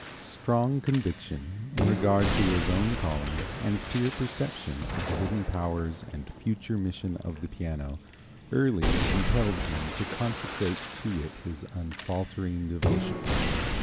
Strong conviction in regard to his own calling and clear perception of the hidden powers and future mission of the piano early compelled him to consecrate to it his unfaltering devotion.